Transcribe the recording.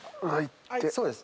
そうです。